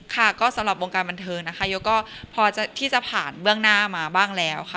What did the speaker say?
ค่ะก็สำหรับวงการบันเทิงนะคะยกก็พอที่จะผ่านเบื้องหน้ามาบ้างแล้วค่ะ